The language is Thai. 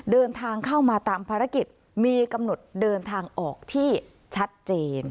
เดินทางเข้ามาตามภารกิจมีกำหนดเดินทางออกที่ชัดเจน